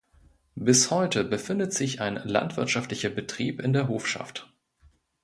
Bis heute befindet sich ein landwirtschaftlicher Betrieb in der Hofschaft.